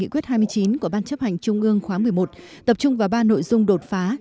quyết hai mươi chín của ban chấp hành trung ương khóa một mươi một tập trung vào ba nội dung đột phá